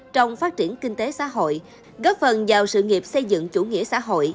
trong phát triển kinh tế xã hội góp phần vào sự nghiệp xây dựng chủ nghĩa xã hội